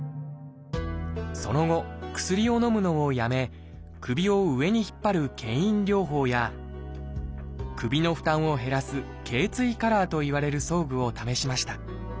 その後薬をのむのをやめ首を上に引っ張る「けん引療法」や首の負担を減らす「頚椎カラー」といわれる装具を試しました。